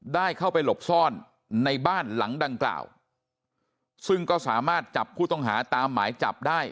ได้เข้าไปหลบซ่อนในบ้านหลังดังกล่าวซึ่งก็สามารถจับผู้ต้องหาตามหมายจับได้